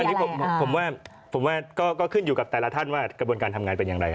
อันนี้ผมว่าคืนอยู่กับแต่ละท่านกระบวนการทำงานเป็นอย่างไร